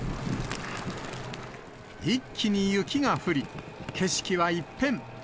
一気に雪が降り、景色は一変。